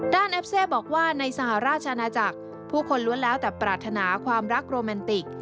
แอฟเซบอกว่าในสหราชอาณาจักรผู้คนล้วนแล้วแต่ปรารถนาความรักโรแมนติก